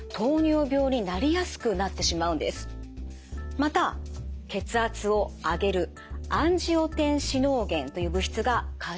また血圧を上げるアンジオテンシノーゲンという物質が過剰になり